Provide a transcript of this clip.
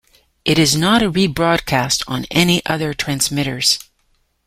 It is not rebroadcast on any other transmitters.